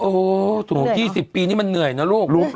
โอ้สมมุติ๒๐ปีนี้มันเหนื่อยเนอะลูก